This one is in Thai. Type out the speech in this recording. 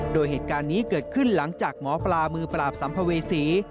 โดยเหตุการณ์นี้เกิดขึ้นหลังจากหมอปลามือปราบสัมภเวษี